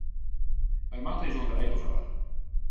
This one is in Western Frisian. Wy moatte ús oan de regels hâlde.